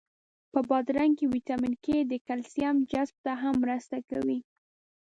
په بادرنګ کی ویټامین کا د کلسیم جذب ته هم مرسته کوي.